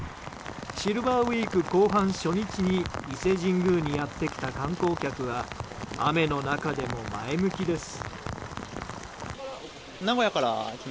シルバーウィーク後半初日に伊勢神宮にやってきた観光客は雨の中でも前向きです。